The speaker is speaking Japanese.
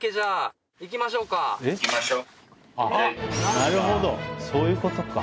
なるほどそういうことか。